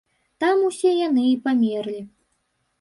Там усе яны і памерлі.